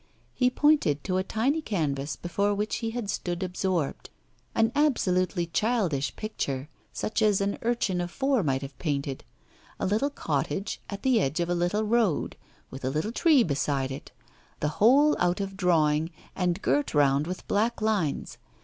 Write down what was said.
He pointed to a tiny canvas before which he had stood absorbed, an absolutely childish picture, such as an urchin of four might have painted; a little cottage at the edge of a little road, with a little tree beside it, the whole out of drawing, and girt round with black lines.